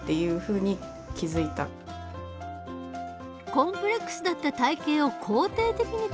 コンプレックスだった体型を肯定的に捉える。